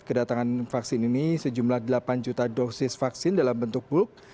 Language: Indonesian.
kedatangan vaksin ini sejumlah delapan juta dosis vaksin dalam bentuk bulk